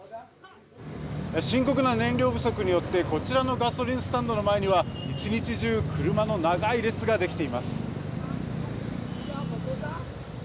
深刻な燃料不足によってこちらのガソリンスタンドの前には１日中車の長い列が出来ています。